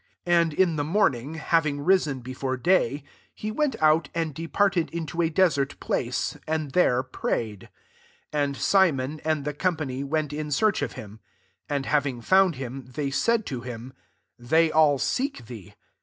35 And in the morning, hav ing risen before day, he went out, and departed into a desert place, and there prayed. SS. And Simon, and his company^ went in search of him. 37 And having found him, they said to him, " They all seek thee.'